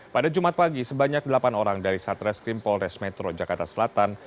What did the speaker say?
pada jumat pagi sebanyak delapan orang dari satreskrim polres metro jakarta selatan